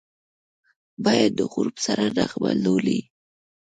باد د غروب سره نغمه لولي